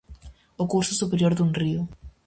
O curso superior dun río.